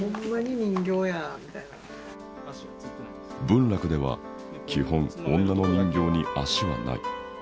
文楽では基本女の人形に足はない。